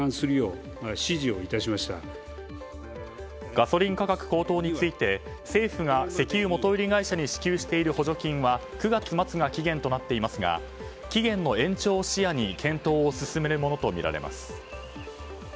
ガソリン価格高騰について政府が石油元売り会社に支給している補助金は９月末が期限となっていますが期限の延長を視野に検討を進めるものとみられます。